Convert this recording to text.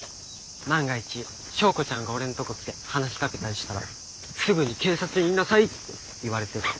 万が一昭子ちゃんが俺んとこ来て話しかけたりしたらすぐに警察に言いなさいって言われてる。